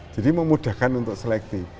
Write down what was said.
jadi memudahkan untuk seleksi